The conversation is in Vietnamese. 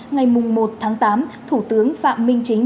ngày một tám thủ tướng phạm minh trịnh